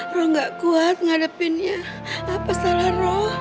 lu nggak kuat ngadepinnya apa salah lu